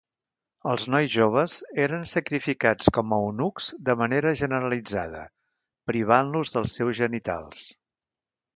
Els nois joves eren sacrificats com a eunucs de manera generalitzada, privant-los dels seus genitals.